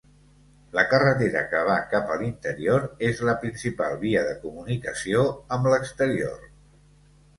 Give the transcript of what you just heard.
La carretera que va cap a l’interior és la principal via de comunicació amb l’exterior.